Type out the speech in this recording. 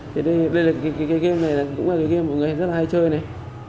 thì đây là cái game này cũng là cái game mà mọi người rất là hay chơi này